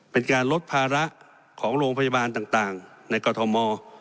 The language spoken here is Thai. เป็นการลดภาระของโรงพยาบาลต่างในกรทม